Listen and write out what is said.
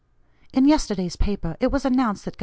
In yesterday's paper it was announced that Gov.